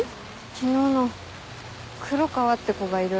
昨日の黒川って子がいる。